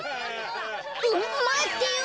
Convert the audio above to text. まってよ。